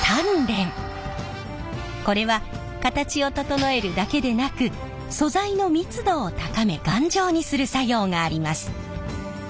これは形を整えるだけでなく素材の密度を高め頑丈にする作用があります。